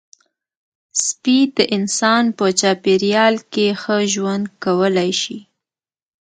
سپي د انسان په چاپېریال کې ښه ژوند کولی شي.